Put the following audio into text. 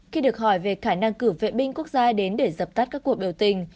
khi được hỏi về khả năng cử vệ binh quốc gia đến để dập tắt các cuộc biểu tình